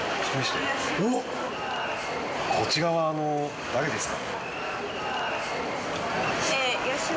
こちらは誰ですか？